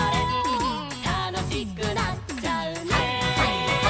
「たのしくなっちゃうね」